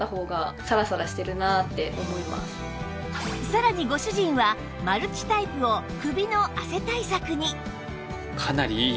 さらにご主人はマルチタイプを首の汗対策に